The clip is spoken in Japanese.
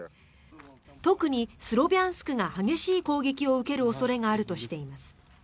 特にスロビャンスクが激しい攻撃を受ける恐れがあるとしています。